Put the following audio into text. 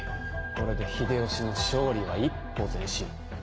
これで秀吉の勝利は一歩前進。